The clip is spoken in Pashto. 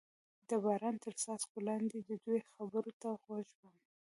د باران تر څاڅکو لاندې د دوی خبرو ته غوږ ووم.